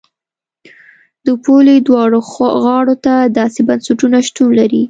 د پولې دواړو غاړو ته داسې بنسټونه شتون لري.